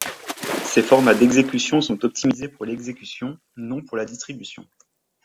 Ces formats d'exécution sont optimisés pour l'exécution, non pour la distribution.